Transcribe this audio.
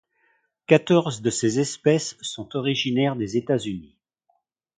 Quatorze de ces espèces sont originaires des États-Unis.